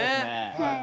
はい。